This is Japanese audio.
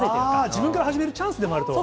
自分から始めるチャンスでもあるというか。